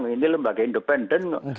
ini lembaga independen